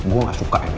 gue gak suka ini